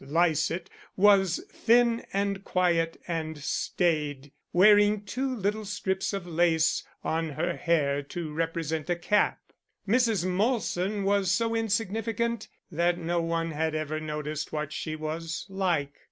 Lycett was thin and quiet and staid, wearing two little strips of lace on her hair to represent a cap; Mrs. Molson was so insignificant that no one had ever noticed what she was like.